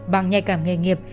bằng nhạy cảm nghề nghiệp